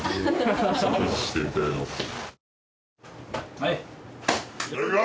はい。